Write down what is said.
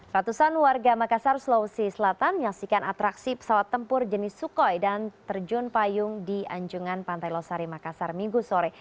ratusan warga makassar sulawesi selatan menyaksikan atraksi pesawat tempur jenis sukhoi dan terjun payung di anjungan pantai losari makassar minggu sore